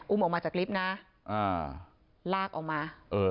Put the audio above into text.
ออกมาจากลิฟต์นะลากออกมา